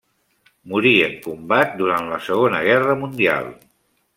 Morí en combat durant la Segona Guerra Mundial.